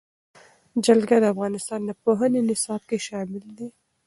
جلګه د افغانستان د پوهنې نصاب کې شامل دي.